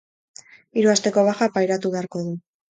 Hiru asteko baja pairatu beharko du.